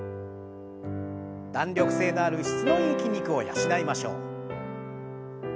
弾力性のある質のいい筋肉を養いましょう。